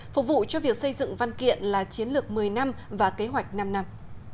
phục vụ cho việc xây dựng văn kiện là chiến lược một mươi năm và kế hoạch năm năm